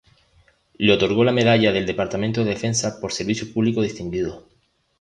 Le otorgó la Medalla del Departamento de Defensa por Servicio Público Distinguido.